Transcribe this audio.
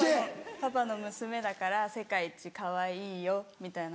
「パパの娘だから世界一かわいいよ」みたいな。